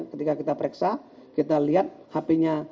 ketika kita periksa kita lihat hp nya